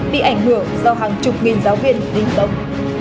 bị ảnh hưởng do hàng chục nghìn giáo viên tính tổng